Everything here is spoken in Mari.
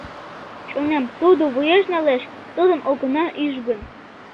Шонем, тудо вуеш налеш, тудым огына ӱж гын.